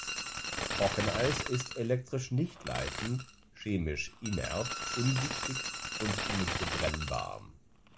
Trockeneis ist elektrisch nicht leitend, chemisch inert, ungiftig und nicht brennbar.